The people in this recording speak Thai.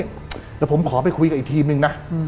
เดี๋ยวผมขอไปคุยกับอีกทีมนึงนะ